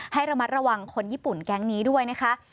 ให้ระมัดระวังคนญี่ปุ่นแก๊งนี้ด้วยนะคะ